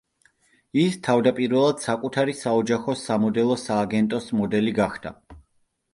ის თავდაპირველად საკუთარი საოჯახო სამოდელო სააგენტოს მოდელი გახდა.